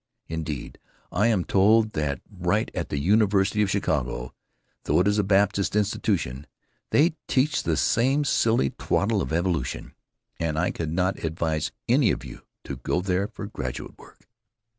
Indeed, I am told that right at the University of Chicago, though it is a Baptist institution, they teach this same silly twaddle of evolution, and I cannot advise any of you to go there for graduate work.